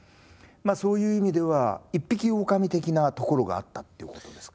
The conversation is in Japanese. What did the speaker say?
そういう意味では一匹狼的なところがあったっていうことですか？